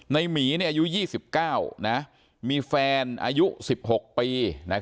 หมีอายุ๒๙มีแฟนอายุ๑๖ปี